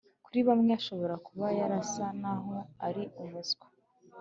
kuri bamwe ashobora kuba yarasa naho ari umuswa.